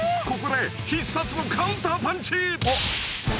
ここで必殺のカウンターパンチ！